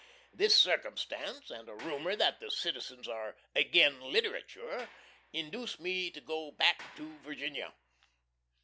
This circumstance, and a rumor that the citizens are "agin" literature, induce me to go back to Virginia.